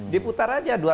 diputar aja dua tiga kali